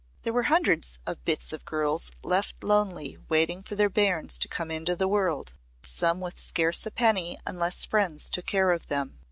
There were hundreds of bits of girls left lonely waiting for their bairns to come into the world Some with scarce a penny unless friends took care of them.